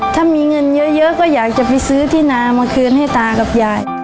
ถ้ามีเงินเยอะก็อยากจะไปซื้อที่นามาคืนให้ตากับยาย